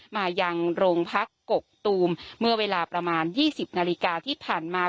มายังโรงพักกกตูมเมื่อเวลาประมาณ๒๐นาฬิกาที่ผ่านมา